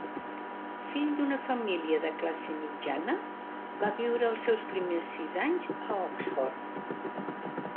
Fill d'una família de classe mitjana, va viure els seus primers sis anys a Oxford.